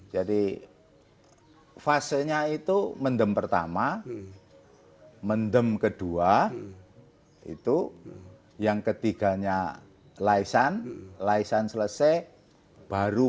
jadi fasenya itu mendem pertama mendem kedua itu yang ketiganya laisan laisan selesai